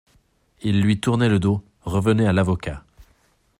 Ils lui tournaient le dos, revenaient à l'avocat.